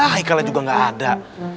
haikalnya juga gak ada